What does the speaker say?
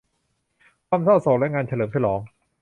ความเศร้าโศกและงานเฉลิมฉลอง